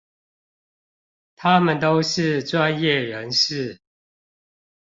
他們都是專業人士